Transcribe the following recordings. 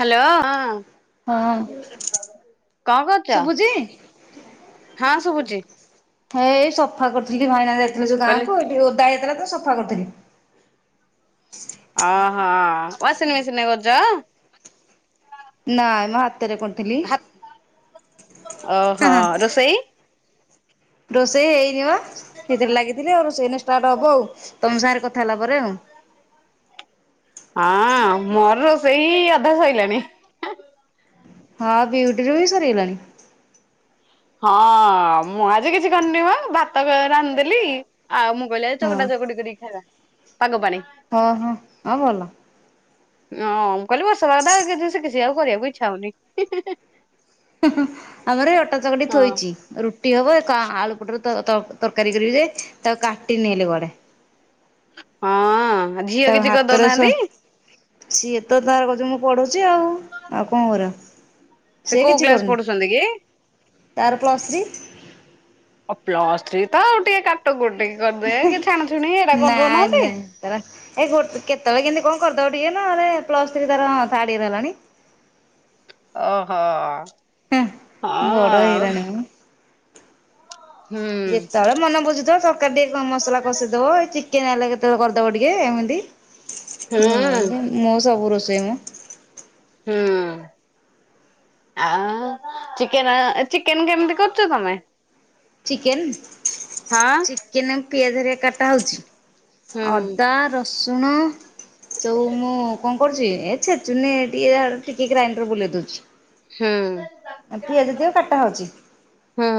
Hello ହଁ କଣ କରୁଚ? ଶୁଭୁଛି? ହଁ ଶୁଭୁଚି। ହେ ଏଇ ସଫା କରିଥିଲି ଭାଇନା ଯାଇଥିଲେ ଯେ କହିଲି ଗାଁକୁ ଏ ଟିକେ ଓଦା ହେଇଯାଇଥିଲା ତ ସଫା କରୁଥିଲି। ଓହୋ ୱାସିଂ ମେସିନ୍ ରେ କରୁଚ? ନାଇଁ ମ ହାତରେ କ ହାତ ହଁ ଓହୋ ହଁ ରୋଷେଇ ରୋଷେଇ ହେଇନି ବା ସେଥିରେ ଲାଗିଥିଲେ ଆଉ ରୋଷେଇ ଷ୍ଟାର୍ଟ ହବ ଆଉ ତମ ସାଙ୍ଗରେ କଥା ହେଲା ପରେ ଆଉ। ହଁ ମୋର ରୋଷେଇ ଅଧା ସଇଲାଣି। ହଁ ବିଉଟିର ବି ସରିଗଲାଣି। ହଁ ମୁଁ ଆଜି କିଛି କରିନି ମ ଭାତ ରାନ୍ଧିଦେଲି ଆଉ ମୁଁ କହିଲି ଆଜି ହଁ। ଚକଟା ଚକଟି କରିକି ଖାଇବା ପାଗ ପାଣି। ହଁ ହଁ ହଁ ଭଲ। ହଁ ମୁଁ କହିଲି ବର୍ଷା ପାଗ ଟା ସେ କିଛି ଆଉ କରିବାକୁ ଇଚ୍ଛା ହଉନି। ହୁଁ-ହୁଁ, ଆମର ଏଇ ଅଟା ଚକଟି ହଁ ଥୋଇଚି। ରୁ ଟି ହବ, ଏକ ଆଳୁ ପଟରୁ ତର-ତର-ତରକାରୀ କରିବି ଯେ, ତାକୁ କାଟିନି ଏଇଲେ କୁଆଡେ। ହଁ, ଝିଅ ତାକୁ କିଛି ହାତରେ ସ କରିଦଉନାହାଁନ୍ତି? ସିଏ ତ ତାର କହୁଚି, ମୁଁ ପଢୁଚି ଆଉ। ଆଉ କଣ କରିବ? ସେ କୋଉ କିଛି କ୍ଲାସ କରୁନି। ପଢୁଛନ୍ତି କି? ତାର ପ୍ଲସ୍ ଥ୍ରୀ। ଆଉ ପ୍ଲସ୍ ଥ୍ରୀ, ତ ଆଉ ଟିକେ କାଟକୁଟି କରିଦେ, କି ଛାଣ ଛୁଣି, ଏଇରା ନାଇଁ କରିଦଉନାହାଁନ୍ତି? ନାଇଁ ତାର ଏ ଗୋଟ୍ କେତେବେଳେ କେନ୍ତି କଣ କରିଦବ ଟିକେ ନହେଲେ, ପ୍ଲସ ଥ୍ରୀ ତାର ଥାର୍ଡ ୟିଅର ହେଲାଣି। ଓହୋ। ହଁ, ହେଁ ବଡ ଆଉ ହୁଁ। ଯେତବଳେ ମନ ବୁଝୁଥିବ ତରକାରୀ ଟିକେ କଣ ମସଲା କଷିଦବ, ଏଇ ଚିକେନ୍ ହେଲେ କେତେବେଳେ କରିଦବ ଟିକେ, ଏମିତି ହୁଁ ନହେଲେ, ମୁଁ ସବୁ ରୋଷେଇ ମୁଁ ହୁଁ। ଆଁ, ଚିକେନ ଚିକେନ୍ କେମତି କରୁଚ ତମେ? ଚିକେନ୍? ହଁ ଚିକେନରେ ମୁଁ ପିଆଜ ହେରିଆ କାଟା ହଉଚି। ହୁଁ ଆଉ ଅଦା, ରସୁଣ ଏସବୁ ମୁଁ କଣ କରୁଚି, ଏଇ ଛେଚୁନି ଟିକେ ଆଡ଼ ଟିକେ ଗ୍ରାଇଣ୍ଡର ବୁଲେଇ ଦଉଛି। ହୁଁ। ଆଉ ପିଆଜ ଏତକ କାଟା ହଉଚି? ହୁଁ।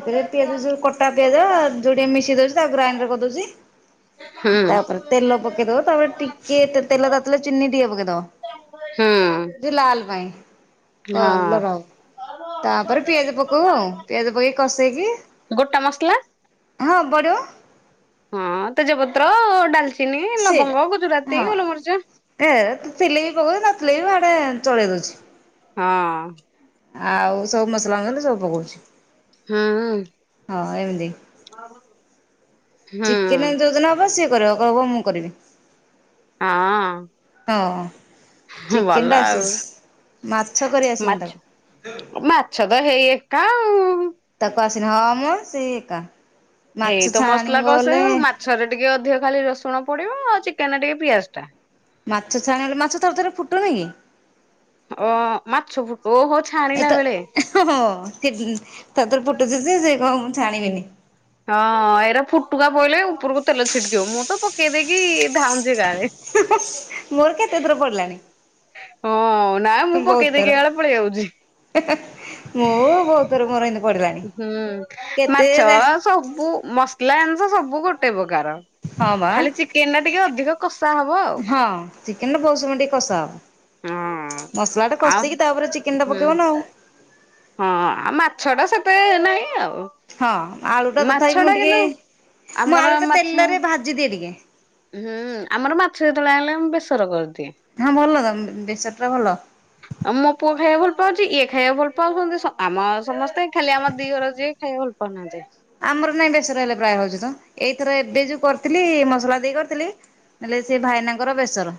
ଏଥିରେ ପିଆଜ ସବୁ କଟା ପିଆଜ, ଯୋଡ଼ିଏ ମିଶେଇ ଦଉଚି, ତାକୁ ଗ୍ରାଇଣ୍ଡର କରିଦଉଚି ହୁଁ। ତାପରେ ତେଲ ପକେଇଦବ, ତାପରେ ଟିକେ ତେଲ ତାତିଲେ ଚିନି ଟିକେ ପକେଇଦବ ହୁଁ। ଯେ ଲାଲ୍ ପାଇଁ। ହଁ କଲର ଆଉ। ତାପରେ ପିଆଜ ପକଉ ଆଉ। ପିଆଜ ପକେଇକି କଷେଇକି ଗୋଟା ମସଲା? ହଁ, ପଡିବ। ହଁ ତେଜପତ୍ର, ଡାଲଚିନି, ସେଇଟା। ଲବଙ୍ଗ, ଗୁଜୁରାତି, ହଁ ଗୋଲମରିଚ ଏ ତ ଥିଲେ ବି ପକଉଚି, ନଥିଲେ ବି ବାଡେ ଚଳେଇ ଦଉଛି। ହଁ। ଆଉ ସବୁ ମସଲା ମସଲି ସବୁ ପକଉଚି। ହୁଁ। ହଁ, ଏମତି। ଆଉ ଚିକେନେ ଯୋଉଦିନ ହବ, ସିଏ କରିବ କହିବ ବୋଉ ମୁଁ କରିବି। ହଁ। ହଉ। ହୁଁ, ଭଲ ଆଉ। ମାଛ କରି ଆସିନି ତାକୁ। ମାରଚୁ, ମାର୍। ଛଦ ହେଇ ଏକା ଆଉ। ତାକୁ ଆସେନି। ହଁ ମ, ସେଇ ଏକା। ମାଛ ହେଇ ତ ମସଲା ଛାଣିବ କଷେ ବଲେ ଆଉ ମାଛରେ ଟିକେ ଅଧିକ ଖାଲି ରସୁଣ ପଡିବ, ଆଉ ଚିକେନରେ ଟିକେ ପିଆଜଟା। ମାଛ ଛାଣିବେ, ମାଛ ଥର ଥରେ ଫୁଟୁନି କି? ଅ ମାଛ ଫୁଟ ଓହୋ, ଛାଣିିଲବେଳେ। ହଁ ହଁ, ସେ ତାଧୁରୁ ଫୁଟୁଚି ସେ, ସେ କହିବ ମୁଁ ଛାଣିବିନି। ହଁ, ଏଇରା ଫୁଟୁକା ପଇଲେ ଉପରକୁ ତେଲ ଛିଟକିବ, ମୁଁ ତ ପକେଇ ଦେଇକି ଧାଉଛି ଗାଁରେ। ହୁଁ ହଁ। ମୋର କେତେ ଥର ପଡିଲାଣି। ହଁ, ନାଇଁ ମୁଁ ପକେଇ ଦେଇକି ଇଆଳେ ପଳେଇ ଆଉଛି। ହେ ହେ। ମୁଁ ବହୁତ ଥର ମୋର ଏମିତି ପଡିଲାଣି। ହୁଁ। କେତେ ମାଛ ଯାଏ ସବୁ, ମସଲା ଜିନିଷ ସବୁ ଗୋଟେ ପ୍ରକାର। ହଁ ବା, ଖାଲି ଚିକେନ ଟା ଟିକେ ଅଧିକ କଷା ହବ ଆଉ ହଁ ଚିକେନ ବହୁତ୍ ସମୟ ଟିକେ କଷା ହବ। ହଁ। ମସଲା ଟେ ଆଉ କଷିକି ତାପରେ ଚିକେନ ଟା ହୁଁ ପକେଇବ ନା ଆଉ। ହଁ ଆଉ ମାଛ ଟା ସେତେ ନାଇଁ ଆଉ। ହଁ ଆଳୁଟା ମାଛ ତଥାପି ମୁଁ ଟା ଟିକେ କିନ୍ତୁ ମୁଁ ଆମର ଆଳୁଟା ମାଛ ତେଲରେ ଭାଜିଦିଏ ଟିକେ। ହୁଁ ଆମର ମାଛ ଯେତୋବୋଳେ ଆଇଁଲେ ମୁଁ ବେସର କରିଦିଏ। ହଁ ଭଲ ତ ବେସର ଟା ଭଲ। [unintelligible] ଆଉ ମୋ ପୁଅ ଖାଇବାକୁ ଭଲ ପାଉଛି ଇଏ ଖାଇବାକୁ ଭଲ ପାଉଛନ୍ତି ସ ଆମର ସମସ୍ତେ ଖାଲି ଆମ ଦିଅର ଯିଏ ଖାଇବାକୁ ଭଲ ପାଉନାହାନ୍ତି। ଆମର ନାଇଁ ବେସର ହେଲେ ପ୍ରାୟ ହୋଉଚି ତ ଏଇଥର ଏବେ ଯୋଉ କରିଥିଲି ମସଲା ଦେଇ କରିଥିଲି। ହେଲେ ସିଏ ଭାଇନାଙ୍କର ବେସର।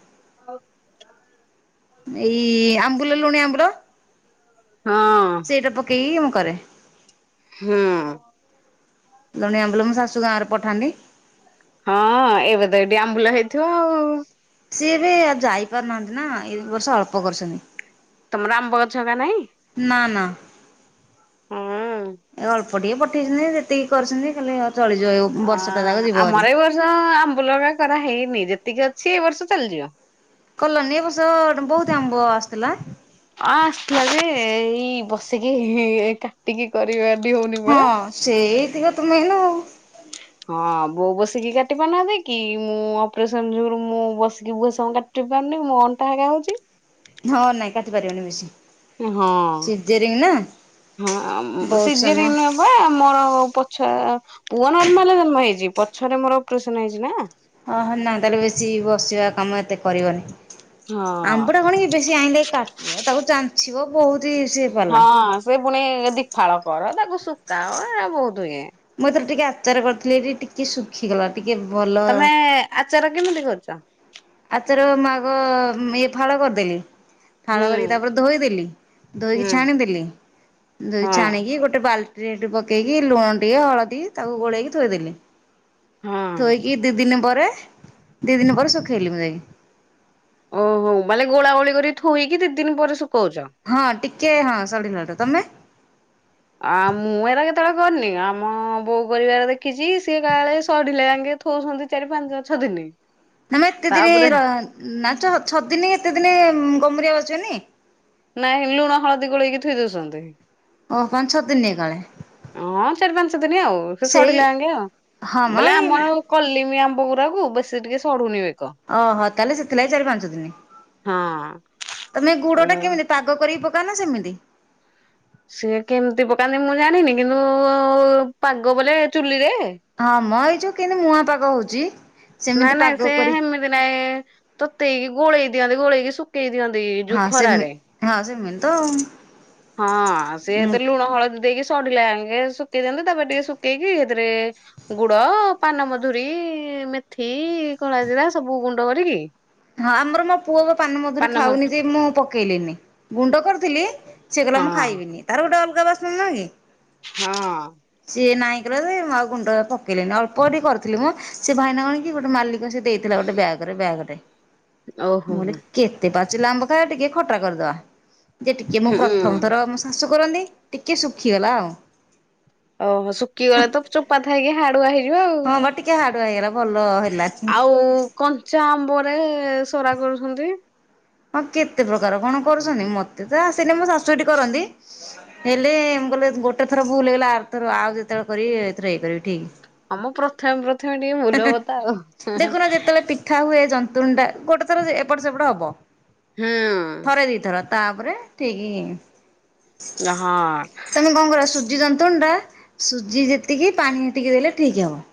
ଏଇ ଆମ୍ବୁଲ ଲୁଣି ଆମ୍ଭୁଲ। ହଁ। ସେଇଡ଼ା ପକେଇକି ମୁଁ କରେ। ହୁଁ। ଲୁଣି ଆମ୍ବୁଲ ମୋ ଶାଶୁ ଗାଁରୁ ପଠାନ୍ତି। ହଁ ଏବେ ତ ଏଠି ଆମ୍ବୁଲା ହେଇଥିବ ଆଉ। ସିଏ ଏବେ ଆଉ ଯାଇପାରୁନାହାନ୍ତି ନା ଏଇ ବର୍ଷ ଅଳ୍ପ କରୁଛନ୍ତି। ତମର ଆମ୍ୱ ଗଛ ହେକା ନାଇଁ। ନା ନା। ହୁଁ। ଏ ଅଳ୍ପ ଟିକେ ପଠେଇଛନ୍ତି ଯେତିକି କରିଛନ୍ତି ଖାଲି ଚଳିଯିବ [unintelligible] ଯାକ ଅଃ ଯିବ ଭାରି ଆମର ଏଇ ବର୍ଷ ଆମ୍ବୁଲ ହେକା କରା ହେଇନି ଯେତିକି ଅଛି ଏ ବର୍ଷ ଚାଲିଯିବ। କଲାନି ଏ ବର୍ଷ ବୋହୁତିି ଆମ୍ବ ଆସିଥିଲା। ଅଁ ଆସଥିଲା ଯେ ଏଇ ବସିକି ଏଇ କାଟିକି କରିବା ଟି ହୋଉନି ହଁ ପରା। ସେଇତିକ ତ [unintelligible] ହଁ ବୋଉ ବସିକି କାଟି ପାରୁନାହାନ୍ତି କି ମୁଁ ଅପରେସନ ଯୋଗୁରୁ ମୁଁ ବସିକି। [unintelligible] ଟି ପାରୁନି ମୋ ଅଣ୍ଟା ହେକା ହୋଉଚି। ହଁ ନାଇଁ କାଟି ପାରିବନି ବେଶୀ ଏହଁ ସିଜରିଙ୍ଗ ନା ହଁ ବହୁତ ସମୟ [unintelligible] ହୋଏ ମୋରୋ ପଛ ପୁଅ ନର୍ମାଲରେ ଜନ୍ମ ହେଇଚି ପଛରେ ମୋରୋ ଅପରେସନ ହେଇଛି ନା। ଅଃ ନା ତାହେଲେ ବେଶୀ ବସିବା କାମ ଏତେ କରିବନି। ହଁ ଆମ୍ବଟା କଣ କି ବେଶୀ ଆଇଁଲେ କାଟିବ ତାକୁ ଚାଞ୍ଚିବ ବୋହୁତ ହି ସିଏ ପାଲା। ହୁଏ ପୁଣି ଦି ଫାଳ କର ତାକୁ ଶୁକାଅ ଏରା ବୋହୁତ ଇଏ। ମୁଁ ଏଥର ଟିକେ ଆଚାର କରିଥିଲି ଯେ ଟିକେ ଶୁଖି ଗଲା। ଟିକେ ଭଲ ତମେ ଆଚାର କେମିତି କରୁଚ। ଆଚାର ମୁଁ ଆଗ ଉଁ ଇଏ ଫାଳ କରିଦେଲି। ଫାଳ ହୁଁ କରିକି ତାପରେ ଧୋଇଦେଲି ଧୋଇକି ହୁଁ ଛାଣିଦେଲି ଧୋଇ ହଁ ଛାଣିକି ଗୋଟେ ବାଲ ଟିରେ ହେଟୁ ପକେଇକି ଲୁଣ ଟିକେ ହଳଦୀ ତାକୁ ଗୋଳେଇକି ଥୋଇଦେଲି ହଁ ଥୋଇକି ଦି ଦିନି ପରେ ଦି ଦିନ ପରେ ଶୁଖେଇଲି ମୁଁ ଯାଇକି। ଓହୋ [unintelligible] ଗୋଳା ଗୋଳି କରିକି ଥୋଇକି ଦି ଦିନି ପରେ ଶୁକୋଉଚ। ହଁ ଟିକେ ହଁ ସଢିଲାଠୁ ତମେ। ଆଁ ମୁଁ ଏରା କେତେବେଳେ କରିନି ଆମ ବୋଉ କରିବାର ଦେଖିଛି ସିଏ କାଳେ ସଢିଲେ ଯାଇଁକି ଥୋଉଛନ୍ତି ଚାରି ପାଞ୍ଚ ଛଅ ଦିନି। ନା ମ ଏତେ ଦିନି ତାପରେ ର ନା ଚ ଛଅ ଦିନି ଏତେ ଦିନି ଗମୁରିଆ [unintelligible] ନାଇଁ ଲୁଣ ହଳଦୀ ଗୋଳେଇକି ଥୁଇଦୋଉଛନ୍ତି। ଓ ପାଞ୍ଚ ଛଅ ଦିନି ଏକାବେଳେ। ହଁ ଚାରି ପାଞ୍ଚ ଦିନ ଆଉ ସେ ସଢିଲା [unintelligible] ହଁ ମ ଆଉ ବଲେ ଏଇ ଆମର କୋ କଲିମି ଆମ୍ବ ଗୁରାକୁ ବେସି ଟିକେ ସଢୁନି ବେକ। ଅଃ ତାହେଲେ ସେଥିଲାଗି ଚାରି ପାଞ୍ଚ ଦିନ ହଁ। ତମେ ଗୁଡଟା କେମିତି ପାଗ କରିକି ପକାଅନା ସେମିତି। ସିଏ କେମିତି ପକାନ୍ତି ମୁଁ ଜାଣିନି କିନ୍ତୁ ପାଗ ବୋଲେ ଚୁଲିରେ ହଁ ମ ଏଇ ଯୋଉ କେମିତି ମୁୂଆଁ ପାଗ ହୋଉଚି ସେମିତି ପାଗ କରି ସେମିତି ନାଇଁ ତତେଇକି ଗୋଳେଇ ଦିଅନ୍ତି ଗୋଳେଇକି ଶୁଖେଇ ଦିଅନ୍ତି ଯୋଉ ହଁ ସେମି ଖରାରେ ହଁ ସେମିତ ଆଉ। ହଁ ସିଏ ତ ଲୁଣ ହଳଦୀ ଦେଇକି ସୁ ସଢିଲା ଆଙ୍କେ ଶୁକେଇ ଦିଅନ୍ତି ତାପରେ ଟିକେ ଶୁକେଇକି ଏକାଥରେ ଗୁଡ ପାନମଧୁରୀ ମେଥି କଳାଜିରା ସବୁ ଗୁଣ୍ଡ କରିକି ହଁ ଆମର ମୋ ପୁଅ ପାନମଧୁରୀ ପାନମ ଖାଉନି ଯେ ମୁଁ ପକେଇଲିନି ଗୁଣ୍ଡ କରିଥିଲି ସେ କଇଲା ହଁ ମୁଁ ଖାଇବିନି ତାର ଗୋଟେ ଅଲଗା ବାସ୍ନା ନୁହଁ କି ହଁ। ସିଏ ନାଇଁ କଲା ଯେ ମୁଁ ଆଉ ଗୁଣ୍ଡ ପକେଇଲିଣି ଅଳ୍ପ ବି କରିଥିଲି ମ। ସେ ଭାଇନା କଣ କି ଗୋଟେ ମାଲିକ ସେ ଦେଇଥିଲା ଗୋଟେ ବ୍ୟାଗରେ ବ୍ୟାଗଟେ। ଓହୋ ମୁଁ କଇଲି ହୁଁ କେତେ ପାଚିଲା ଆମ୍ବ ଖାଇବା ଟିକେ ଖଟା କରିଦବା। ଯେ ଟିକେ ମୁଁ ପ୍ରଥମ ଥର ମୋ ଶାଶୁ କରନ୍ତି ଟିକେ ଶୁଖିଗଲା ଆଉ। ଓହୋ ଶୁଖିଗଲେ ତ ଚୋପା ଥାଇକି ହାଡୁଆ ହେଇଯିବ ଆଉ। ହଁ ବା ଟିକେ ହାଡୁଆ ହେଇଗଲା ଭଲ ହେଲା କିନ୍ତୁ ଆଉ କଞ୍ଚା ଆମ୍ବରେ ସରା କରୁଛନ୍ତି ହଁ କେତେ ପ୍ରକାର କଣ କରୁସନ୍ତି ମତେ ତ ଆସେନି ମୋ ଶାଶୁ ହେଠି କରନ୍ତି। ହେଲେ ମୁଁ କଇଲି ଗୋଟେ ଥର ଭୁଲ ହେଇଗଲା ଆରଥର ଆଉ ଯେତେବେଳେ କରିବି ଏଇଥର ଇଏ କରିବି ଠିକ୍। ହଁମ ପ୍ରଥମେ ପ୍ରଥମେ ଟିକେ ଭୁଲ୍ ହବତ ଆଉ। ଠା ହୁଏ ଯନ୍ତୁଣିଟା ଗୋଟେ ଥର ଏପଟ ସେପଟ ହବ ହୁଁ ଥରେ ଦି ଥର ତାପରେ ଠିକ୍ ଇଲୋ ହଁ। ତମେ କଣ କରିବ ସୁଜି ଯନ୍ତୁଣିଟା ସୁଜି ଯେତିକି ପାଣି ହେତିକି ଦେଲେ ଠିକ୍ ହବ।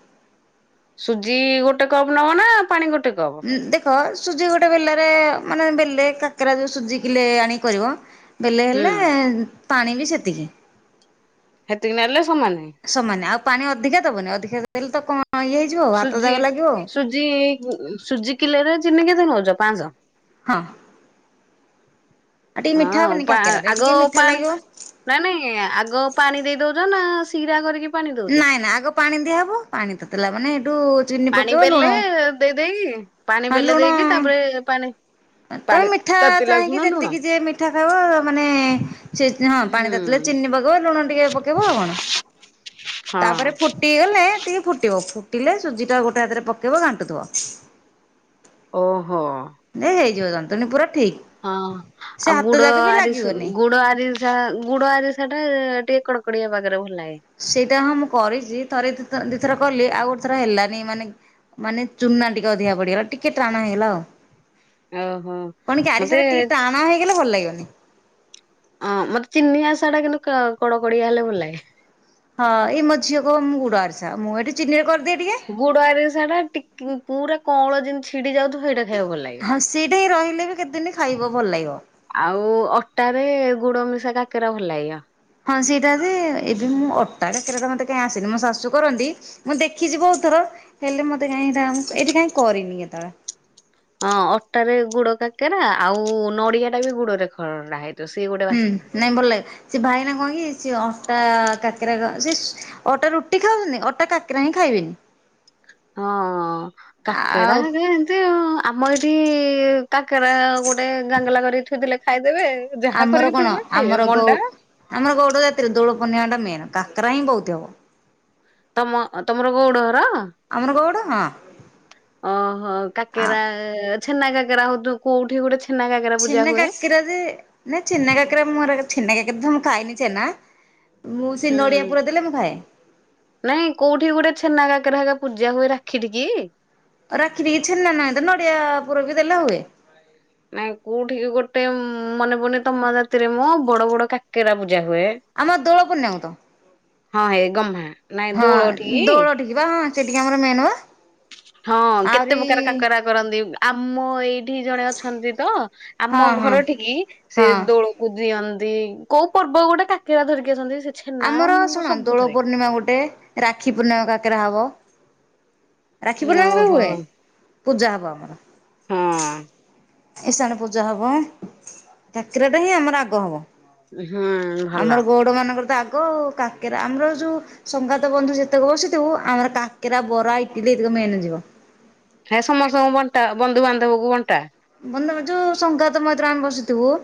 ସୁଜି ଗୋଟେ କପ୍ ନବ ନା ପାଣି ଗୋଟେ କପ୍? ଦେଖ ସୁଜି ଗୋଟେ ବେଲାରେ ମାନେ ବେଲେ କାକରା ଯୋଉ ସୁଜିି କିଲେ ଆଣିକି କରିବ ବେଲେ ହୁଁ ହେଲେ ପାଣି ବି ସେତିକି। ହେତିକି ନେଲେ ସମାନେ? ସମାନ ଆଉ ପାଣି ଅଧିକା ଦବନି ଅଧିକା ଦେଲେ ତ କଣ ଇଏ ହେଇଯିବ ଆଉ ହାତ ସୁଜି ଯାକ ଲାଗିବ ଆଉ ସୁଜି ସୁଜି କିଲୋରେ ଚିନି କେତେ ନୋଉଚ ପାଞ୍ଚସହ? ହଁ। ଆଉ ଟିକେ ମିଠା ହଁ ହବନି ପା କାକରାରେ ଆଗ ଟିକେ ମିଠା ପାଣି ଲାଗିବ। ନାଇଁ ନାଇଁ ଆଗ ପାଣି ଦେଇ ଦୋଉଚ ନା ଶିରା କରିକି ପାଣି ଦଉଛ? ନାଇଁ ନାଇଁ ଆଗ ପାଣି ଦିଆହବ ପାଣି ତତିଲା ମାନେ ହେଠୁ ପାଣି ବେଲେ ଦେଇ ଦେଇକି ପାଣି ବେଲେ ଦେଇକି ତାପରେ ପାଣି ତ ପାଣି ମିଠା ତାତିଲା ଚାହିଁକି ଖୁଣ ଲୁଣ ଯେତିକି ଯିଏ ମି ଠା ଖାଇବ ମାନେ ସେ ହଁ ହୁଁ ପାଣି ତାତିଲେ ଚିନି ପକେଇବ ଲୁଣ ଟିକେ ପକେଇବ ଆଉ କଣ ତାପରେ ହଁ ଫୁଟିଗଲେ ଟିକେ ଫୁଟିବ ଫୁଟିଲେ ସୁଜି ଟା ଗୋଟେ ହାତରେ ପକେଇବ ଘାଣ୍ଟୁଥିବ। ଓହୋ। ନାଇଁ ହେଇଯିବ ଜନ୍ତୁଣି ପୁରା ଠିକ୍। ହଁ ସେ ଆଉ ହାତ ଗୁଡ ଯାକ ବି ଆରି ଲାଗିବନି। ଗୁଡ ଆରି ଯାହା ଗୁଡ ଆରିସା ସେଟା ଟିକେ କଡ଼କଡିଆ ପାଗରେ ଭଲ ଲାଗେ। ସେଇଟା ହଁ ମୁଁ କରିଛି ଥରେ ଦି ଥର କଲି ଆଉ ଗୋଟେ ଥର ହେଲାନି ମାନେ ମାନେ ଚୁନା ଟିକେ ଅଧିକା ପଡିଗଲା ଟିକେ ଟାଣ ହେଇ ଗଲା ଆଉ। ଓହୋ କଣ କି ମତେ ଆସାରା ଟିକେ ଟାଣ ହେଇଗଲେ ଭଲ ଲାଗିବନି। ଅ ମତେ ଚିନି ଆରିସା ଟା କିନ୍ତୁ କଡ କଡିଆ ହେଲେ ଭଲ ଲାଗେ। ହଁ ଏଇ ମୋ ଝିଅ କହିବ ମୁଁ ଗୁଡ ଆରିସା ମୁଁ ଏଠି ଚିନିରେ କରିଦିଏ ଟିକେ। ଗୁଡ ଆରିସା ଟା ଟିକେ ପୁରା କଅଁଳ ଯେମିତି ଛିଡି ଯାଉଥିବ ସେଇଟା ଖାଇବାକୁ ଭଲ ଲାଗେ। ହଁ ସେଇଠି ହିଁ ରହିଲେ ବି କେତେଦିନ ଖାଇବ ଭଲ ଲାଗିବ। ଆଉ ଅଟାରେ ଗୁଡ ମିଶା କାକରା ଭଲ ଲାଗିବ। ହଁ ସେଇଟା ଯେ ଏବେ ମୁଁ ଅଟା କାକରା ତ ମତେ କାଇଁ ଆସିନି ମୋ ଶାଶୁ କରନ୍ତି ମୁଁ ଦେଖିଛିି ବହୁତ ଥର ହେଲେ ମତେ କାଇଁ ଏଟା ଏଇଠି କାଇଁ କରିନି କେତେବେଳେ ହଁ ଅଟାରେ ଗୁଡ କାକେରା ଆଉ ନଡିଆ ଟା ବି ଗୁଡରେ ଖରା ହେଇଯିବ ସିଏ ଗୋଟେ ହୁଁ ବାସ୍ ନାଇଁ ଭଲ ଲାଗେ ସେ ଭାଇନା କଣ କି ସେ ଅଟା କାକେରା ର ସେ ଅଟା ରୁଟି ଖାଉଛନ୍ତି ଅଟା କାକରା ହିଁ ଖାଇବେନି ହଁ କାକେରା ଆଉ ହେକା ଏମତି ଆଉ ଆମ ଏଇଠି କାକେରା ଗୋଟେ ଗାଙ୍ଗଲା କରି ଥୋଇ ଦେଲେ ଖାଇଦେବେ। ଯାହା ଆମର କରିକି କଣ ଥୋଇଦେଲ ଆମର ଖାଇବେ ଗଉ ମଣ୍ଡା ଆମର ଗୋଟ ଜାତିରେ ଦୋଳ ପୂର୍ଣିମା ଟା ମେନ କାକରା ହିଁ ବହୁତ ହବ ତମ ତମର ଗଉଡ ଘର ଆମର ଗଉଡ଼ ହଁ। ଓହୋ ଆଉ କାକେରା ଛେନା କାକେରା ହଉୁ କୋଉଠି ଗୋଟେ ଛେନା କାକରା ଛେନା କାକିର ଯେ ଛେନା କାକିରା ମୋର ଛେନା କାକିର ତ ମୁଁ ଖାଇନି ଛେନା ମୁଁ ସେ ହୁଁ। ନଡିଆ ପୁର ଦେଲେ ମୁଁ ଖାଏ। ନାଇଁ କୋଉଠି ଗୋଟେ ଛେନା କାକେରା ପୂଜା ହୁଏ ରାକ୍ଷୀ ଠିକି ରାକ୍ଷୀ ଠିକି ଛେନା ନାହିଁ ତ ନଡିଆ ପୁର ବି ଦେଲେ ହୁଏ। ନାଇଁ କୋଉଠିକି ଗୋଟେ ମନେ ପଡୁନି ତମ ଜାତିରେ ମୋ ବଡ ବଡ କାକେରା ପୂଜା ହୁଏ। ଆମ ଦୋଳ ପୂର୍ଣ୍ଣିମା କୁ ତ ହଁ ହେ ଗହ୍ମା ନାଇଁ ହଁ ଦୋଳଠିକି? ଦୋଳ ଟିକି ବା ହଁ ସେଠିକି ଆମର ମେନ ବା ହଁ କେତେ ଆହୁରି ପ୍ରକାର କାକରା କରନ୍ତି ଆମ ଏଇ ଠି ଜଣେ ଅଛନ୍ତି ତ ହଁ ଆମ ହଁ ଘରଠିକି ସେ ହଁ। ଦୋଳ କୁ ଦିଅନ୍ତି କୋଉ ପର୍ବ ଗୋଟେ କାକରା ଧରିକି ଆସନ୍ତି ସେ ଛେନା ଆମର ମ ଶୁଣ ଦୋଳ ସବୁଥିରେ। ପୂର୍ଣ୍ଣିମା ଗୋଟେ ରାକ୍ଷୀ ପୂର୍ଣ୍ଣିମାରେ କାକରା ହବ ରାକ୍ଷୀ ପୂର୍ଣ୍ଣାମାରେ ଓହୋ ହୁଏ। ପୂଜା ହବ ଆମର ହଁ ଇଶାଣ ପୂଜା ହବ କାକରା ତ ହିଁ ଆମର ଆଗ ହବ। ହୁଁ ଭଲ। ଆମର ଗଉଡ ମାନଙ୍କର ତ ଆଗ ଆ କାକେରା ଆମର ଯୋଉ ସଙ୍ଗାତ ବନ୍ଧୁ ଯେତେକ ବସିଥିବୁ ଆମର କାକେରା ବରା ଇଟିଲି ଏତିକ ମେନ ଯିବ ହେ ସମସ୍ତଙ୍କୁ ବଣ୍ଟା ବନ୍ଧୁବାନ୍ଧବ କୁ ବଣ୍ଟା ବନ୍ଧୁ ଯୋଉ ସଙ୍ଗାତ ମୈତ୍ର ଆମେ ବସିଥିବୁ।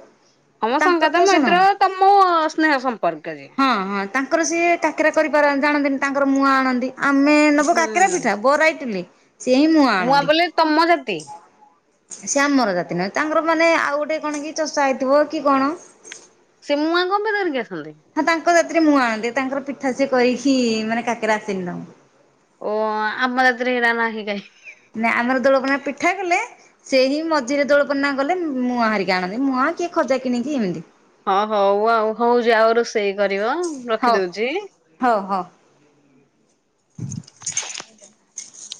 ହଁମ ତାଙ୍କର ତ ସାଙ୍ଗତ ଶୁଣ ମୈତ୍ର ତମ ସ୍ନେହ ସମ୍ପର୍କ ଯେ ହଁ ହଁ ତାଙ୍କର ସିଏ କାକିରା କରିପାରନ୍ତି ଜାଣନ୍ତିନି ତାଙ୍କର ମୁଆଁ ଆଣନ୍ତି। ଆମେ ନବୁ ହୁଁ। କାକରା ପିଠା ବରା ଇିଟିଲି ସିଏ ହିଁ ମୁଆଁ ଆଣନ୍ତି। ବୋଲେ ତମ ଜାତି ସେ ଆମର ଜାତି ନୁହେଁ ତାଙ୍କର ମାନେ ଆଉ ଗୋଟେ କଣ କି ଚଷା ହେଇଥିବ କି କଣ। ସେ ମୁୂଆଁ କଣ ପାଇଁ ଧରିକି ଆସନ୍ତି? ହଁ ତାଙ୍କ ଜାତିରେ ମୁଁଆ ଆଣନ୍ତି ତାଙ୍କର ପିଠା ସିଏ କରିକି ମାନେ କାକରେ ଆସନି ତାଙ୍କୁ ଓ ଆମ ଜାତିର ହରା ନାହିଁ କାଇଁ। ନା ଆମର ଦୋଳ ପୂର୍ଣ୍ଣମା ପିଠା କଲେ ସେ ହିଁ ମଝିରେ ଦୋଳପନା ଗଲେ ମୁଁଆ ହରିକି ଆଣନ୍ତି ମୁଁ କିଏ ଖଜା କିଣିକି ଏମିତି। ହଁ ହଉ ଆଉ ହଉଛି ଆଉ ରୋଷେଇ କରିବ ହଉ ରଖିଦଉଛି। ହଉ ହଉ।